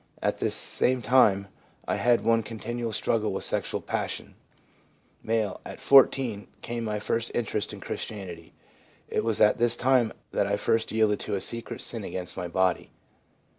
At this same time I had one continual struggle with sexual passion.' M. ' At 14 came my first interest in Christianity ; it was at this time that I first yielded to a secret sin against my body/ M.